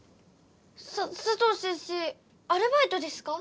ササトウ先生アルバイトですか？